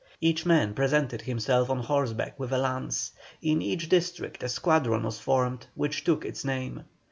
Each man presented himself on horseback with a lance; in each district a squadron was formed which took its name.